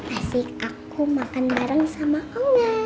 asik aku makan bareng sama kamu